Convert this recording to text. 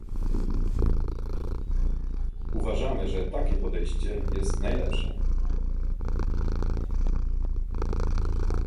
Uważamy, że takie podejście jest najlepsze